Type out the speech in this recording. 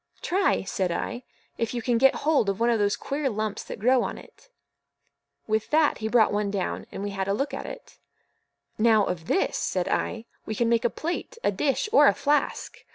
"Try," said I, "if you can get hold of one of those queer lumps that grow on it." With that he brought one down, and we had a look at it. "Now, of this," said I, "we can make a plate, a dish, or a flask.